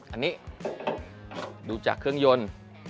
อันนี้ดูจากเครื่องยนต์